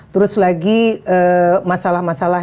terus lagi masalah masalah